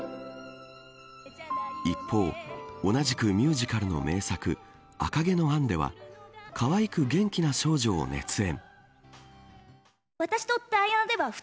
一方、同じくミュージカルの名作赤毛のアンではかわいく元気な少女を熱演。